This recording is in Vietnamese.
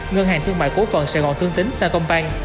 ngân hàng thương mại cố phận sài gòn thương tính sa công bang